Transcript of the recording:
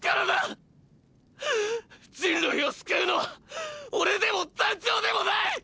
人類を救うのはオレでも団長でもない！！